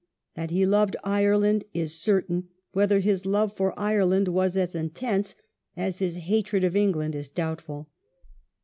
That he loved Ireland is cei tain ; whether his love for Ireland was as intense as his hatred of England is doubtful.